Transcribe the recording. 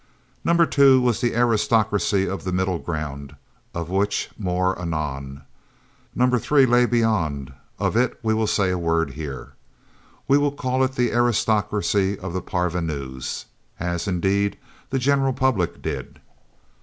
No. 2 was the aristocracy of the middle ground of which, more anon. No. 3 lay beyond; of it we will say a word here. We will call it the Aristocracy of the Parvenus as, indeed, the general public did.